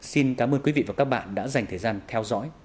xin cảm ơn quý vị và các bạn đã dành thời gian theo dõi